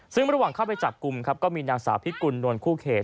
ซึ่งระหว่างเข้าไปจับกลุ่มครับก็มีนางสาวพิกุลนวลคู่เขต